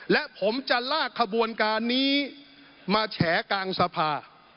และผมจะลากขบวนการนี้มาแฉกลางสภา